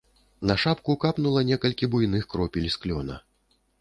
На шапку капнула некалькі буйных кропель з клёна.